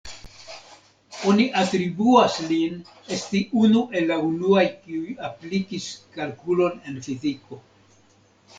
Oni atribuas lin esti unu el la unuaj kiuj aplikis kalkulon en fiziko.